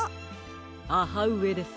ははうえです。